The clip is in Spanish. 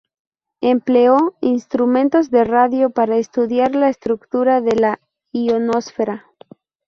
Empleó instrumentos de radio para estudiar la estructura de la ionosfera.